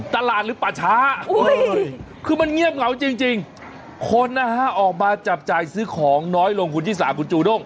ตลาดหรือป่าช้าคือมันเงียบเหงาจริงคนนะฮะออกมาจับจ่ายซื้อของน้อยลงคุณชิสาคุณจูด้ง